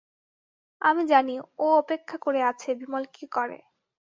আমি জানি, ও অপেক্ষা করে আছে বিমল কী করে।